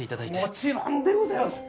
もちろんでございます！